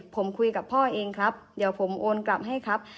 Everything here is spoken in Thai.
ผมคุยกับพ่อเองครับเดี๋ยวผมโอนกลับให้ครับ